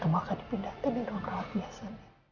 kamu akan dipindahkan ke ruang rawat biasa